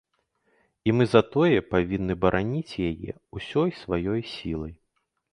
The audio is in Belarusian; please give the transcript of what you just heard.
І мы затое павінны бараніць яе ўсёй сваёй сілай.